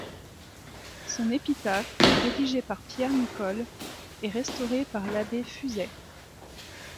Son épitaphe, rédigée par Pierre Nicole, est restaurée par l'abbé Fuzet.